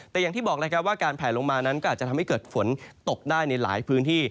แต่อย่างที่บอกแล้วครับว่าการแผลลงมานั้นก็อาจจะทำให้เกิดฝนตกได้ในหลายพื้นที่